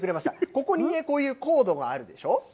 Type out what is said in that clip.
ここにね、こういうコードがあるでしょ。